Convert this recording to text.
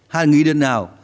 hay nghị định nào